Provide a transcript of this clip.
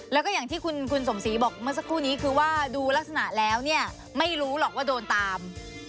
แล้วก็อย่างที่คุณสมศรีบอกเมื่อสักครู่นี้คือว่าดูลักษณะแล้วเนี่ยไม่รู้หรอกว่าโดนตาม